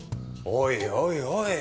おいおいおい！